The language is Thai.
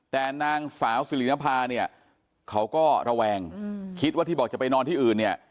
แต่นางสาวสิรินภาเนี่ยเขาก็ระแวงคิดว่าที่บอกจะไปนอนที่อื่นเนี่ย